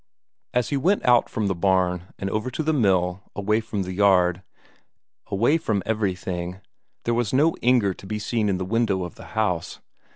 As he went out from the barn and over to the mill, away from the yard, away from everything, there was no Inger to be seen in the window of the house.